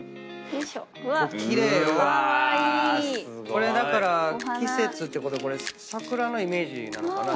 これだから季節ってことは桜のイメージなのかな？